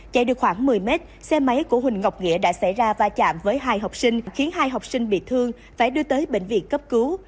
trong lúc xe máy của huỳnh ngọc nghĩa đã xảy ra va chạm với hai học sinh khiến hai học sinh bị thương phải đưa tới bệnh viện cấp cứu